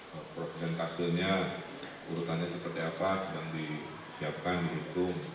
jadi program kasusnya urutannya seperti apa sedang disiapkan dihitung